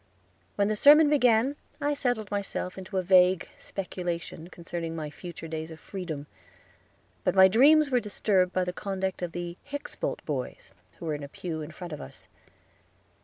When the sermon began I settled myself into a vague speculation concerning my future days of freedom; but my dreams were disturbed by the conduct of the Hickspold boys, who were in a pew in front of us.